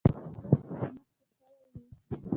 يو څه رامخته شوی و.